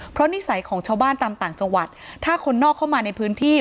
เพราะนิสัยของชาวบ้านตามต่างจังหวัดถ้าคนนอกเข้ามาในพื้นที่